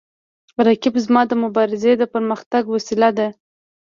رقیب زما د مبارزې د پرمختګ وسیله ده